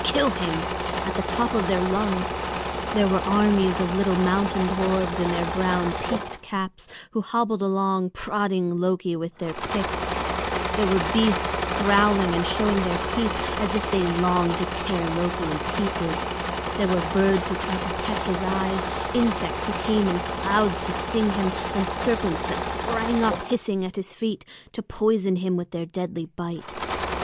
kill him!" at the top of their lungs; there were armies of little mountain dwarfs in their brown peaked caps, who hobbled along, prodding Loki with their picks; there were beasts growling and showing their teeth as if they longed to tear Loki in pieces; there were birds who tried to peck his eyes, insects who came in clouds to sting him, and serpents that sprang up hissing at his feet to poison him with their deadly bite.